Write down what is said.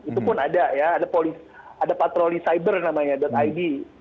itu pun ada ya ada patroli cyber namanya id